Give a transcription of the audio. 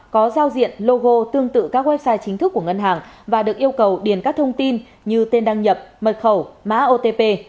có giao diện logo tương tự các website chính thức của ngân hàng và được yêu cầu điền các thông tin như tên đăng nhập mật khẩu mã otp